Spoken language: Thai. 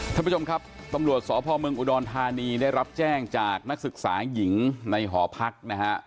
ท่านผู้ชมครับตำรวจสพเมืองอุดรธานีได้รับแจ้งจากนักศึกษาหญิงในหอพักนะฮะ